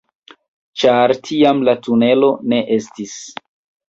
Ĉar tiam la tunelo ne estis